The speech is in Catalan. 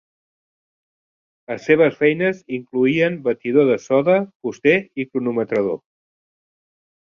Les seves feines incloïen batidor de soda, fuster i cronometrador.